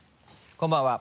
こんばんは。